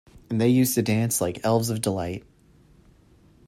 And they used to dance like elves of delight.